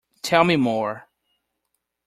Tell me more.